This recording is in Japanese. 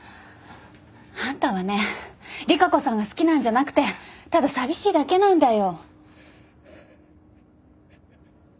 あんたはね利佳子さんが好きなんじゃなくてただ寂しいだけなんだよ。